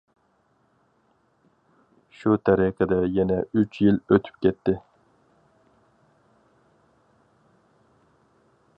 شۇ تەرىقىدە يەنە ئۈچ يىل ئۆتۈپ كەتتى.